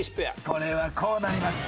これはこうなります。